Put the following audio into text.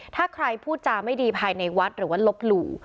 ถ้าใครพูดจาไม่ดีภายในวัดหรือว่าลบหลู่